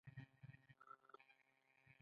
په خپله خاوره کې د برټانیې استازو ته اجازه ورکړي.